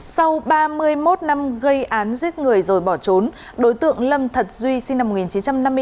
sau ba mươi một năm gây án giết người rồi bỏ trốn đối tượng lâm thật duy sinh năm một nghìn chín trăm năm mươi bốn